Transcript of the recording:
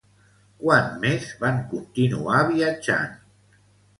Quant més van continuar viatjant?